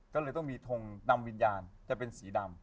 ก็เลยต้องมีทงดำวิญญาณจะเป็นสีดำ